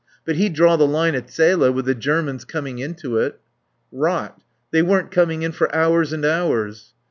But he'd draw the line at Zele, with the Germans coming into it." "Rot. They weren't coming in for hours and hours."